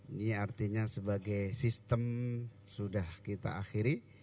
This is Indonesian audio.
ini artinya sebagai sistem sudah kita akhiri